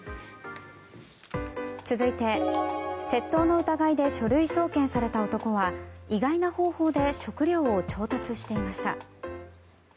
続いて、窃盗の疑いで書類送検された男は意外な方法で食料を調達していました。